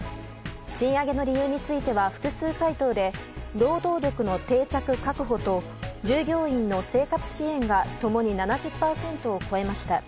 賃上げの理由については複数回答で労働力の定着・確保と従業員の生活支援が共に７０％を超えました。